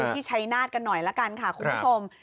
ที่ชัยนาธิ์กันหน่อยละกันค่ะคุณผู้ชม